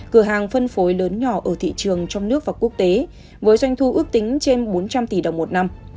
cửa hàng phân phối lớn nhỏ ở thị trường trong nước và quốc tế với doanh thu ước tính trên bốn trăm linh tỷ đồng một năm